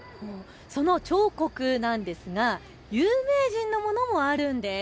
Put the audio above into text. その彫刻なんですが有名人のものもあるんです。